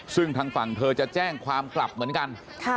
ซึ่งทางฝั่งเธอจะแจ้งความกลับเหมือนกัน